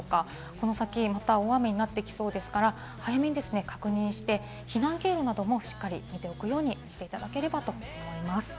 この先、大雨になっていきそうですから、早めに確認して、避難経路なども見ておくようにしていただければと思います。